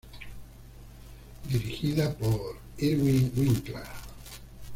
Dirigida por Irwin Winkler.